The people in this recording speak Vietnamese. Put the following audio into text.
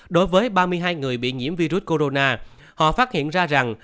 đối với ba mươi hai người bị nhiễm virus corona họ phát hiện ra rằng